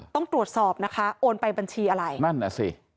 ต้องตรวจสอบนะคะโอนไปบัญชีอะไร